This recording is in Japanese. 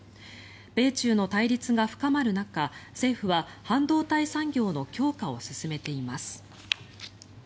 米中の対立が深まる中政府は半導体産業の強化を進めています。